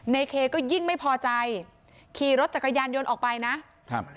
ในเคก็ยิ่งไม่พอใจขี่รถจักรยานยนต์ออกไปนะครับ